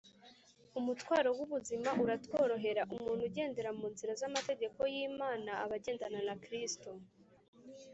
umutwaro w’ubuzima uratworohera umuntu ugendera mu nzira z’amategeko y’imana aba agendana na kristo